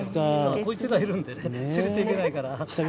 この子がいるんでね、連れていけないから。